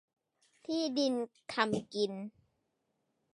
ที่ดินทำกิน